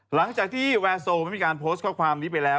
หลังจากที่แวร์โซไม่มีการโพสต์ข้อความนี้ไปแล้ว